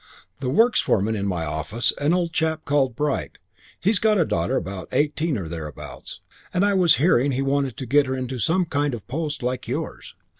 The works' foreman in my office, an old chap called Bright. He's got a daughter about eighteen or thereabouts, and I was hearing he wanted to get her into some kind of post like yours.